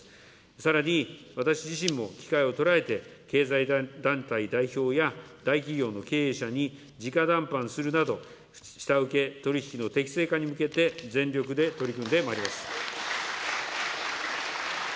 さらに私自身も機会を捉えて、経済団体代表や大企業の経営者にじか談判するなど、下請け取引の適正化に向けて全力で取り組んでまいります。